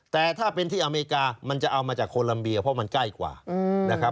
แต่ถ้าเป็นที่อเมริกามันจะเอามาจากโคลัมเบียเพราะมันใกล้กว่านะครับ